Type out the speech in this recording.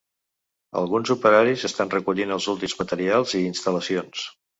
Alguns operaris estan recollint els últims materials i instal·lacions.